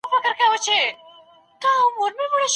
د روژې په حالت کي هم د خلګو په خوښۍ کي ګډون وکړئ.